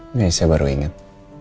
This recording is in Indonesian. ini saya baru ingat